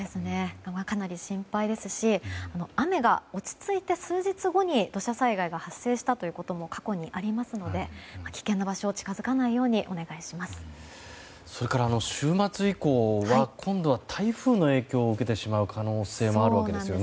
かなり心配ですし雨が落ち着いた数日後に土砂災害が発生したことも過去にありますので、危険な場所近づかないようにそれから週末以降は今度は台風の影響を受けてしまう可能性もあるわけですよね。